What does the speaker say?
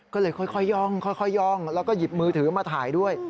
ก็เลยค่อยย่องค่อยย่องแล้วก็หยิบมือถือมาถ่ายด้วย